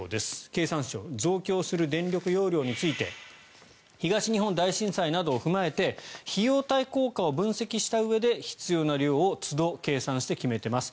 経産省増強する電力容量について東日本大震災などを踏まえて費用対効果を分析したうえで必要な量をつど計算して決めています。